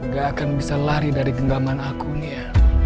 gak akan bisa lari dari genggaman aku nia